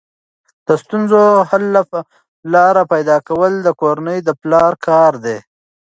د ستونزو حل لارې پیدا کول د کورنۍ د پلار کار دی.